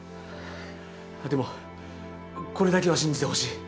でもこれだけは信じてほしい。